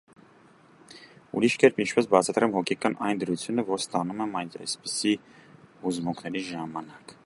- ուրիշ կերպ ինչպես բացատրեմ հոգեկան այն դրությունը, որ ստանում եմ այդպիսի հուզմունքների ժամանակ.